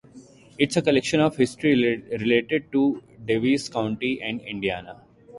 It's a collection of history related to Daviess County and Indiana.